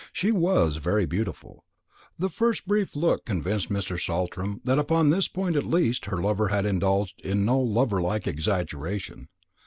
She was very beautiful. The first brief look convinced Mr. Saltram that upon this point at least her lover had indulged in no loverlike exaggeration.